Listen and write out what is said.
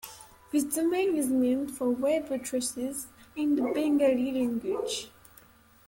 This domain is meant for web addresses in the Bengali language.